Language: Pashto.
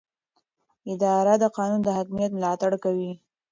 اداره د قانون د حاکمیت ملاتړ کوي.